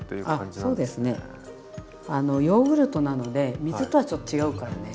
あのヨーグルトなので水とはちょっと違うからね。